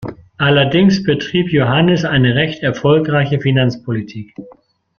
Allerdings betrieb Johannes eine recht erfolgreiche Finanzpolitik.